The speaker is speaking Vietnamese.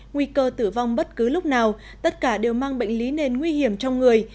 nguy cơ tử vong bất cứ lúc nào tất cả đều mang bệnh lý nền nguy hiểm trong người